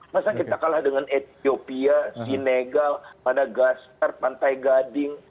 masa kita kalah dengan ethiopia senegal madagaskar pantai gading